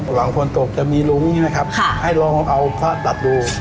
หลังฝนตกจะมีลุ้งใช่ไหมครับให้ลองเอาพระตัดดู